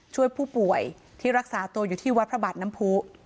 ช่วยผู้ป่วยที่รักษาตัวอยู่ที่วัดพระบาทน้ำผู้